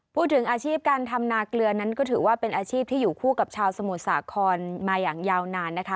พูดถึงอาชีพการทำนาเกลือนั้นก็ถือว่าเป็นอาชีพที่อยู่คู่กับชาวสมุทรสาครมาอย่างยาวนานนะคะ